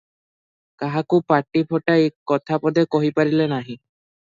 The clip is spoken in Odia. କାହାକୁ ପାଟି-ଫଟାଇ କଥାପଦେ କହିପାରିଲେ ନାହିଁ ।